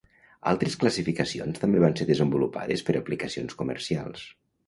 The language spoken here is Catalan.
Altres classificacions també van ser desenvolupades per aplicacions comercials.